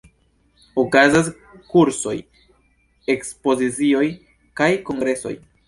Okazas kursoj, ekspozicioj kaj kongresoj.